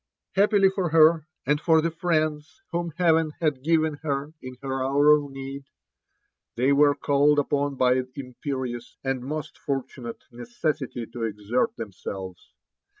Happily for her, and for the friends whom Heaven had given hei in her hour of need, they were calledupon by imperious and most for tunate necessity to exert themselves.